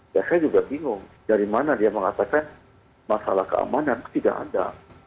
dan saya juga bingung dari mana dia mengatakan masalah keamanan itu tidak ada